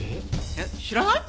えっ知らない？